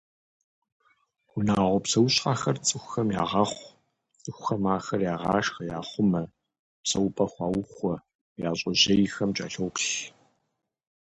Унагъуэ псэущхьэхэр цӏыхухэм ягъэхъу, цӏыхухэм ахэр ягъашхэ, яхъумэ, псэупӏэ хуаухуэ, я щӏэжьейхэм кӏэлъоплъ.